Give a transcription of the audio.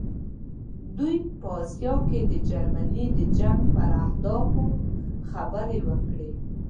دوی په آسیا کې د جرمني د جنګ پر اهدافو خبرې وکړې.